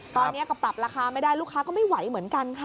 ตอนนี้ก็ปรับราคาไม่ได้ลูกค้าก็ไม่ไหวเหมือนกันค่ะ